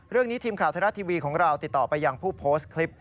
เรื่องนี้ทีมข่าวไทยรัตน์ทีวีของเราติดต่อไปยังผู้โพสต์คลิป